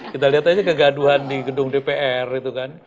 kita lihat aja kegaduhan di gedung dpr itu kan